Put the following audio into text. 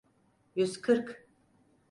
Yüz kırk.